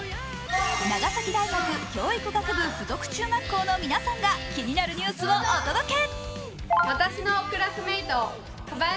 長崎大学教育学部附属中学校の皆さんが気になるニュースをお届け！